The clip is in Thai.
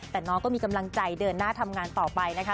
แต่น้องก็มีกำลังใจเดินหน้าทำงานต่อไปนะคะ